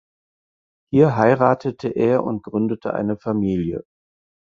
Hier heiratete er und gründete eine Familie.